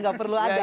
gak perlu ada